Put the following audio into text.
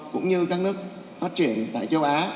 cũng như các nước phát triển tại châu á